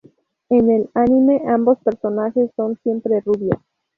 En el anime, ambos personajes son siempre rubias.